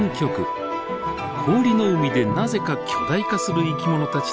氷の海でなぜか巨大化する生き物たちと出会いました。